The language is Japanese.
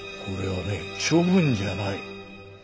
これはね処分じゃない。